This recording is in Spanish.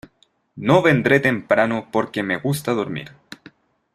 No vendré temprano porque me gusta dormir.